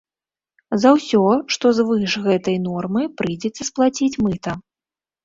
За ўсё, што звыш гэтай нормы, прыйдзецца сплаціць мыта.